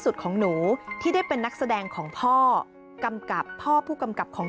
ของหนูที่ได้เป็นนักแสดงของพ่อกำกับพ่อผู้กำกับของ